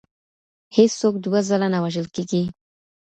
هیڅ څوک دوه ځله نه وژل کیږي.